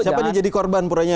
siapa yang jadi korban puranya